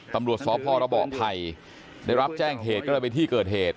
ตำรวจสพระเบาะไผ่ได้รับแจ้งเหตุก็เลยไปที่เกิดเหตุ